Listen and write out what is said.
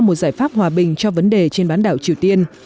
một giải pháp hòa bình cho vấn đề trên bán đảo triều tiên